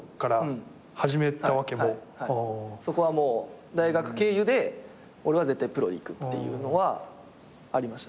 はいそこはもう大学経由で俺は絶対プロ行くっていうのはありましたね。